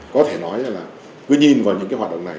có thể nói là cứ nhìn vào những cái hoạt động này